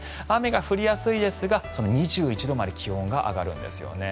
雨が降りやすいですが２１度まで気温が上がるんです。